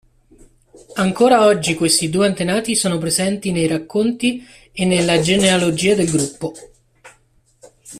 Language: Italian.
Ancora oggi questi due antenati sono presenti nei racconti e nella genealogia del gruppo.